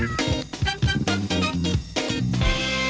สวัสดีครับ